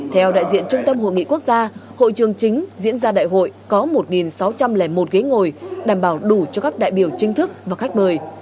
theo đại diện trung tâm hội nghị quốc gia hội trường chính diễn ra đại hội có một sáu trăm linh một ghế ngồi đảm bảo đủ cho các đại biểu chính thức và khách mời